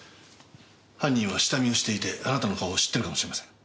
犯人は下見をしていてあなたの顔を知ってるかもしれません。